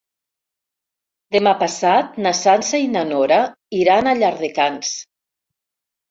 Demà passat na Sança i na Nora iran a Llardecans.